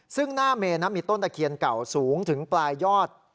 ซึ่งหน้าเมนมีต้นตะเคียนเก่าสูงถึงปลายยอด